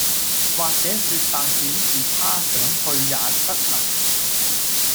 或者說白點是他想退也不能